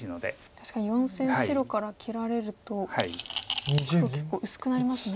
確かに４線白から切られると黒結構薄くなりますね。